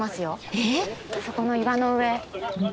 えっ？あそこの岩の上。